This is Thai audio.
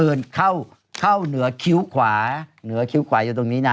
หลอยกระสุนปืนเข้าเหนือคิ้วขวาเนื้อคิ้วขวาอยู่ตรงนี้นะ